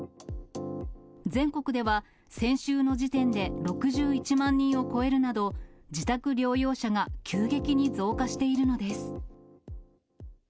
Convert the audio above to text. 全国では先週の時点で６１万人を超えるなど、自宅療養者が急激に増加しているのです。